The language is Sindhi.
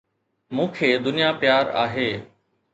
مون کي دنيا پيار آهي